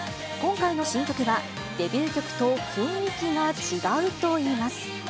今回の新曲は、デビュー曲と雰囲気が違うといいます。